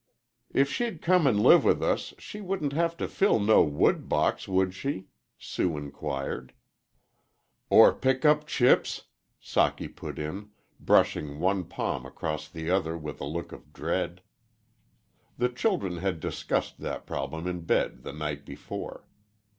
"If she'd come an' live with us, she wouldn't have to fill no wood box, would she?" Sue inquired. "Or pick up chips," Socky put in, brushing one palm across the other with a look of dread. The children had discussed that problem in bed the night before.